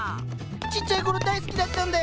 ちっちゃいころ大好きだったんだよ！